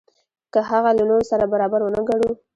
که هغه له نورو سره برابر ونه ګڼو.